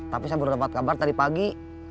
tapi saya baru dapat kabar tadi pagi